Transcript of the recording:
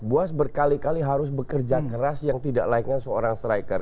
buas berkali kali harus bekerja keras yang tidak layaknya seorang striker